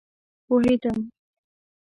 پوهيدم